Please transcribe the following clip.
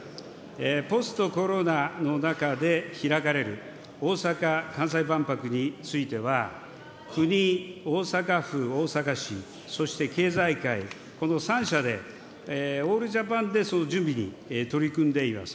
ポストコロナの中で開かれる大阪・関西万博については、国、大阪府・大阪市、そして経済界、この３者でオールジャパンで準備に取り組んでいます。